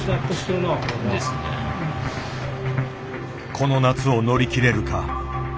この夏を乗り切れるか。